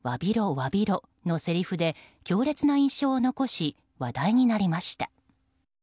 わびろ！のせりふで強烈な印象を残し話題になりました。